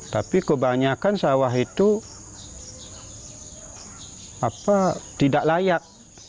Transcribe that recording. tapi kebanyakan sawah itu tidak layak